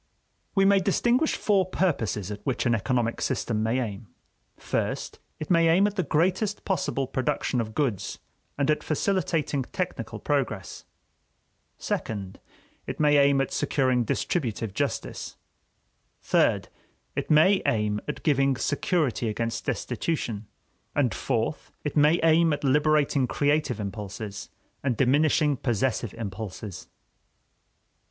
We may distinguish four purposes at which an economic system may aim: first, it may aim at the greatest possible production of goods and at facilitating technical progress; second, it may aim at securing distributive justice; third, it may aim at giving security against destitution; and, fourth, it may aim at liberating creative impulses and diminishing possessive impulses.